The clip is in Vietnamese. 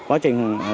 quá trình tập luyện